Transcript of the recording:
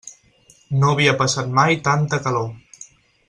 No havia passat mai tanta calor.